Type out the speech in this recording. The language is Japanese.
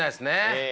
ええ。